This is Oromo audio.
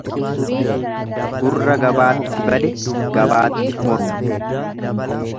Gurra gabaatti bade gabaatti mormu.